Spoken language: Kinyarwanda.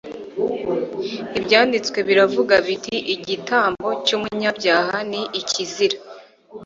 ibyanditswe biravuga biti igitambo cy'umunyabyaha ni ikizira